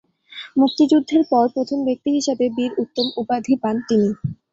মুক্তিযুদ্ধের পর প্রথম ব্যক্তি হিসেবে 'বীর উত্তম' উপাধি পান তিনি।